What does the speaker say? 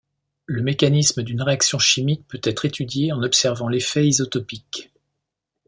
Le mécanisme d'une réaction chimique peut être étudié en observant l'effet isotopique.